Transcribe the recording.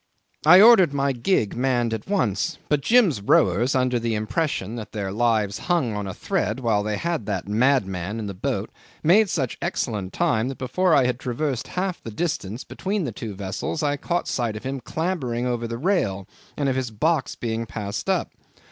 'I ordered my gig manned at once; but Jim's rowers, under the impression that their lives hung on a thread while they had that madman in the boat, made such excellent time that before I had traversed half the distance between the two vessels I caught sight of him clambering over the rail, and of his box being passed up.